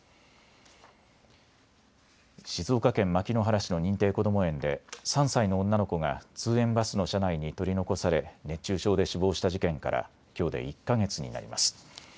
静岡県牧之原市の認定こども園で３歳の女の子が通園バスの車内に取り残され熱中症で死亡した事件からきょうで１か月になります。